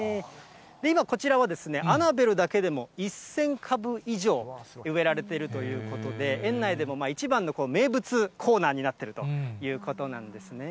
今、こちらはですね、アナベルだけでも１０００株以上、植えられているということで、園内でも一番の名物コーナーになっているということなんですね。